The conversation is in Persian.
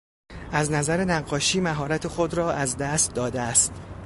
از نظر نقاشی مهارت خود را از دست داده است.